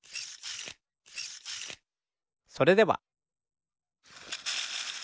それでは。